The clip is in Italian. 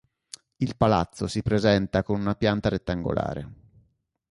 Il palazzo si presenta con una pianta rettangolare.